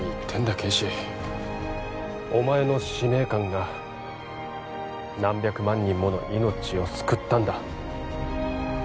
啓示お前の使命感が何百万人もの命を救ったんだ